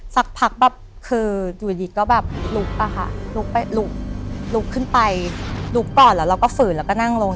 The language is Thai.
สักพักแบบคืออยู่ดีก็แบบลุกอะค่ะลุกลุกขึ้นไปลุกก่อนแล้วเราก็ฝืนแล้วก็นั่งลง